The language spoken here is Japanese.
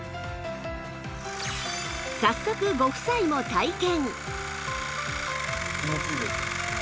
早速ご夫妻も体験